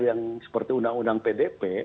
yang seperti undang undang pdp